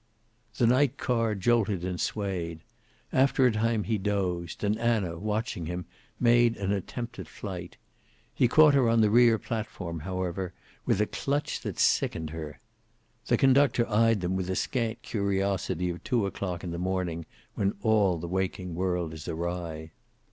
The night car jolted and swayed. After a time he dozed, and Anna, watching him, made an attempt at flight. He caught her on the rear platform, however, with a clutch that sickened her. The conductor eyed them with the scant curiosity of two o'clock in the morning, when all the waking world is awry.